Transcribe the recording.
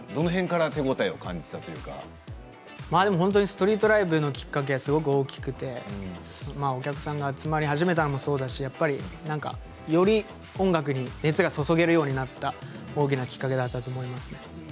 どの辺りからストリートライブのきっかけがすごく大きくてお客さんが集まり始めたのもそうだしより音楽に熱が注げるようになった大きなきっかけだったと思います。